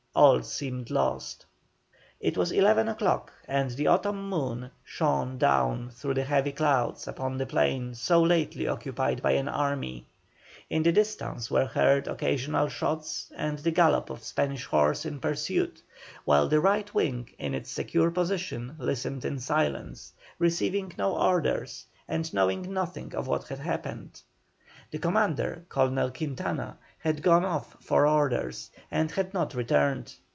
All seemed lost. It was eleven o'clock, and the autumn moon shone down through the heavy clouds upon the plain so lately occupied by an army. In the distance were heard occasional shots and the gallop of Spanish horse in pursuit, while the right wing in its secure position listened in silence, receiving no orders and knowing nothing of what had happened. The commander, Colonel Quintana, had gone off for orders and had not returned.